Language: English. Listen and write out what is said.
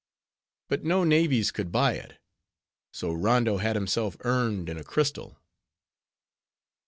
But no navies could buy it. So Rondo had himself urned in a crystal."